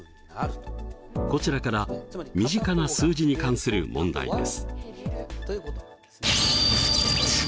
こちらから身近な数字に関する問題です。